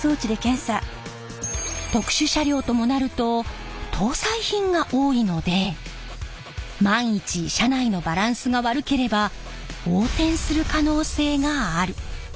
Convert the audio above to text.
特殊車両ともなると搭載品が多いので万一車内のバランスが悪ければ横転する可能性がある。